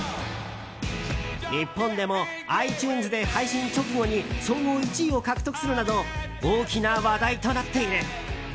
日本でもｉＴｕｎｅｓで配信直後に総合１位を獲得するなど大きな話題となっている。